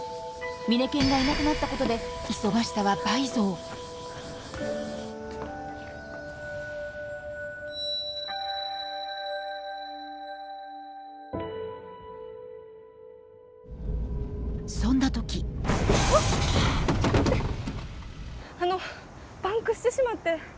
ミネケンがいなくなったことで忙しさは倍増そんな時あのパンクしてしまって。